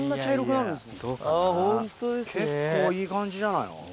結構いい感じじゃないの？